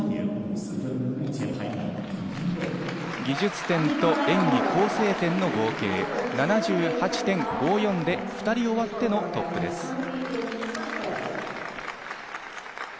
技術点と演技構成点の合計、７８．５４で２人終わってのトップです。